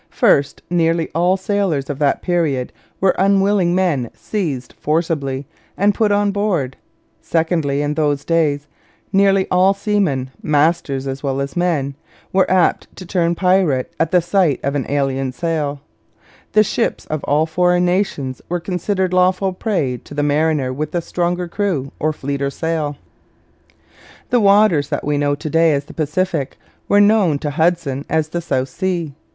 First, nearly all sailors of that period were unwilling men seized forcibly and put on board. Secondly, in those days nearly all seamen, masters as well as men, were apt to turn pirate at the sight of an alien sail. The ships of all foreign nations were considered lawful prey to the mariner with the stronger crew or fleeter sail. [Illustration: THE ROUTES OF HUDSON AND MUNCK Map by Bartholomew.] The waters that we know to day as the Pacific were known to Hudson as the South Sea.